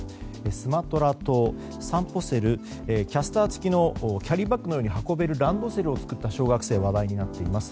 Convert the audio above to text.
スマトラ島、さんぽセルキャスター付きのキャリーバッグのように運べるランドセルを作った小学生が話題になっています。